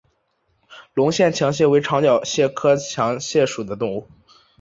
隆线强蟹为长脚蟹科强蟹属的动物。